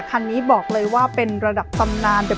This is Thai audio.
คันนี้บอกเลยว่าเป็นระดับตำนาน